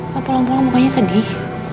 kok pulang pulang mukanya sedih